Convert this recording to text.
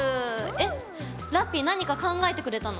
えっラッピィ何か考えてくれたの？